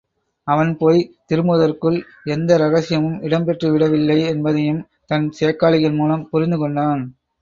அவன் போய்த் திரும்புவதற்குள் எந்த ரகசியமும் இடம்பெற்றுவிட வில்லை என்பதையும் தன் சேக்காளிகள் மூலம் புரிந்து கொண்டான்.